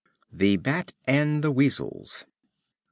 The Bat and the Weasels.